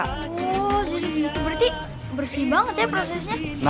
oh jadi itu berarti bersih banget ya prosesnya